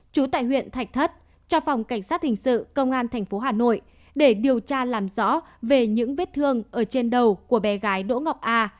trú tại huyện thạch thất cho phòng cảnh sát hình sự công an tp hà nội để điều tra làm rõ về những vết thương ở trên đầu của bé gái đỗ ngọc a